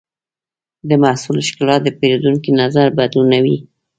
د محصول ښکلا د پیرودونکي نظر بدلونوي.